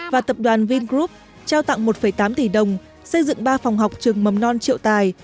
và tập đoàn vingroup trao tặng một tám tỷ đồng xây dựng ba phòng học trường mầm non triệu tài